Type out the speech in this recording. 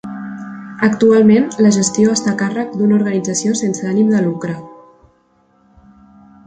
Actualment, la gestió està a càrrec d'una organització sense ànim de lucre.